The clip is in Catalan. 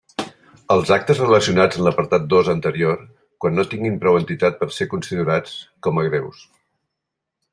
Els actes relacionats en l'apartat dos anterior, quan no tinguin prou entitat per ser considerats com a greus.